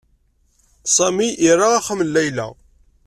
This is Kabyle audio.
Sami ira axxam n Layla.